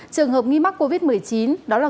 trường hợp nghi mắc covid một mươi chín đó là